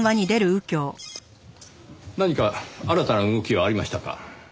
何か新たな動きはありましたか？